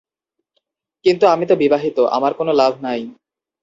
কিন্তু আমি তো বিবাহিত, আমার কোন লাভ নাই।